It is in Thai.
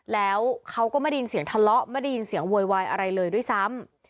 แล้วเขาก็ไม่ได้ยินเสียงทะเลาะไม่ได้ยินเสียงโวยวายอะไรเลยด้วยซ้ำ